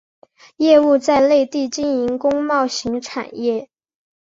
业务在内地经营工贸型产业。